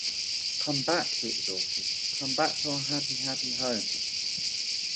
"Come back'" he exhorted, "come back to our happy, happy home.